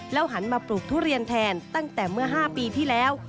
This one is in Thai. หันมาปลูกทุเรียนแทนตั้งแต่เมื่อ๕ปีที่แล้ว